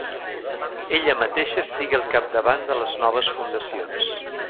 Ella mateixa estigué al capdavant de les noves fundacions.